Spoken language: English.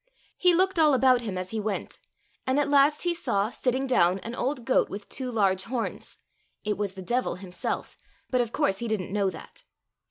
He looked all about him as he went, and at last he saw, sitting down, an old goat with two large horns — it was the Devil himself, but of course he didn't know that.